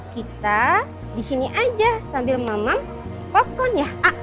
kita di sini aja sambil mamam popcorn ya